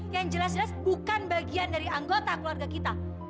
yang jelas jelas bukan bagian dari anggota keluarga kita